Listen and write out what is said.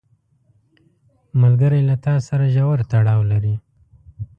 ملګری له تا سره ژور تړاو لري